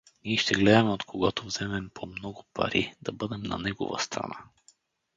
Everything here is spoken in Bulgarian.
Ний ще гледаме, от когото вземем по-много пари, да бъдем на негова страна.